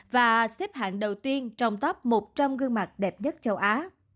và xếp hạng đầu tiên trong top một trăm linh gương mặt đẹp nhất châu á